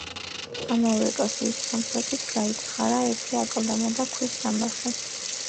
ამავე ეკლესიის სამხრეთით გაითხარა ერთი აკლდამა და ქვის სამარხი.